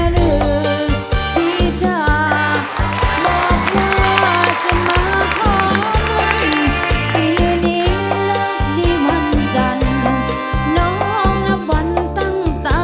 ร้องได้ให้ร้อง